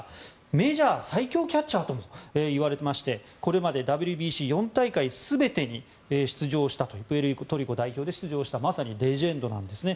メジャー最強キャッチャーといわれていましてこれまでＷＢＣ４大会全てにプエルトリコ代表で出場したというまさにレジェンドなんですね。